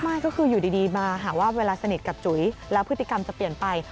ไม่ก็คืออยู่ดีมาหาว่าเวลาสนิทกับจุ๋ยแล้วพฤติกรรมจะเปลี่ยนไป